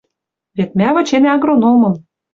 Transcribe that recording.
Вет мӓ выченӓ агрономым.